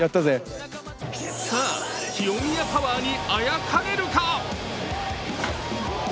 さあ、清宮パワーにあやかれるか？